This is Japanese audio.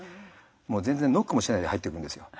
全然ノックもしないで入ってくるんですよ。